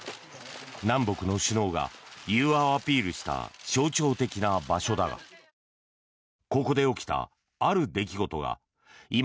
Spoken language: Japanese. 南北の首脳が融和をアピールした象徴的な場所だがここで起きたある出来事が今、